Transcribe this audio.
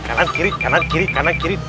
kanan kiri kanan kiri kanan kiri